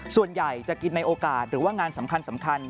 ส่วนใหญ่จะกินในโอกาสหรือว่างานสำคัญ